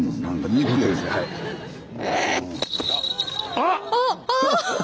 あっ！